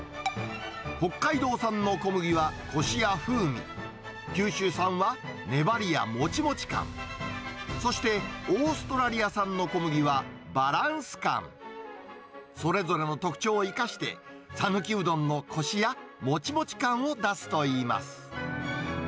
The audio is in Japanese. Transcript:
北海道産の小麦はこしや風味、九州産は粘りやもちもち感、そして、オーストラリア産の小麦はバランス感、それぞれの特徴を生かして、讃岐うどんのこしや、もちもち感を出すといいます。